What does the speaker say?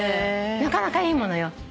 なかなかいいものよ。